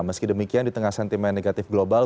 meski demikian di tengah sentimen negatif global